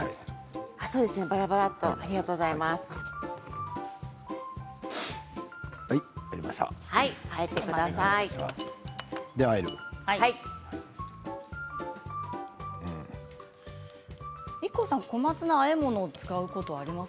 そうですねばらばらと、ありがとうございます。